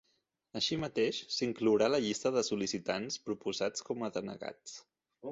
Així mateix, s'inclourà la llista de sol·licitants proposats com a denegats.